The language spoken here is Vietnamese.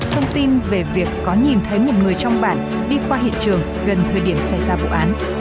thông tin về việc có nhìn thấy một người trong bản đi qua hiện trường gần thời điểm xảy ra vụ án